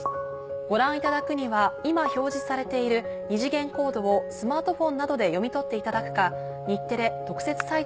ご覧いただくには今表示されている二次元コードをスマートフォンなどで読み取っていただくか。